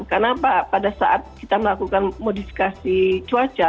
karena pada saat kita melakukan modifikasi cuaca